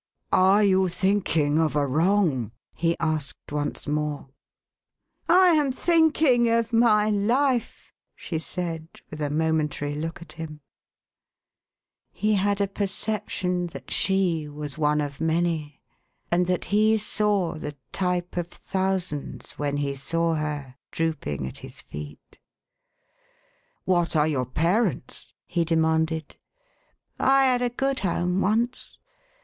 " Are you thinking of a wrong ?" he asked, once more. "I am thinking of my life,11 she said, with a momentary look at him. He had a perception that she was one of many, and that SORROW, WRONG, AND TROUBLE! 483 he saw the type of thousands, when he saw her, drooping at 1 •/». his feet. " What are your parents ?" he demanded. " I had a good home once.